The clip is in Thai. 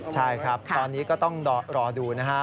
ใช่ครับตอนนี้ก็ต้องรอดูนะฮะ